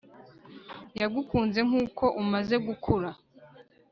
yagukunze nkuko umaze gukura